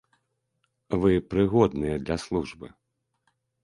Вы прыгодныя для службы.